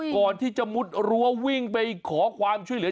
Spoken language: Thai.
ก่อนที่จะมุดรั้ววิ่งไปขอความช่วยเหลือ